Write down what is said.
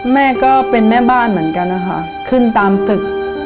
แม่ก็เป็นแม่บ้านเหมือนกันนะคะขึ้นตามตึก